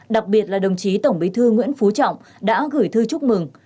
đặc biệt là đồng chí tổng bí thư nguyễn phú trọng đã gửi thư chúc mừng